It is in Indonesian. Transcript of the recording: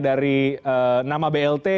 dari nama blt